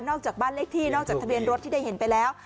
จากบ้านเลขที่นอกจากทะเบียนรถที่ได้เห็นไปแล้ว